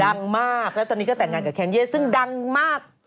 ดังมากแล้วตอนนี้ก็แต่งงานกับแคนเย่ซึ่งดังมาก